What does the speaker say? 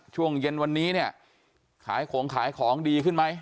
ช่วงเย็นวันนี้เนี่ยขายของขายของดีขึ้นไหม